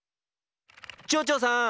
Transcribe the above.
ちょうちょうさん！